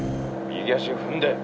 右足踏んで。